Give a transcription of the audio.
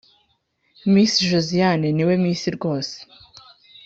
Miss josiane niwe miss rwose.